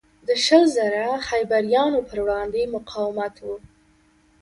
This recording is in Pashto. د شل زره خیبریانو پروړاندې مقاومت و.